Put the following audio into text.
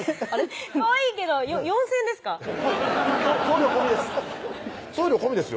かわいいけど４０００円ですか？